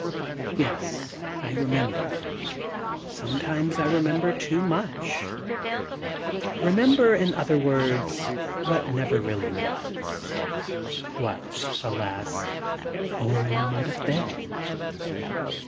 Yes — I remember 1 Sometimes I remember too much 1 — remember, in other words, what never really was; what, alasl only might have been.